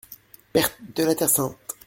- Perte de la terre sainte.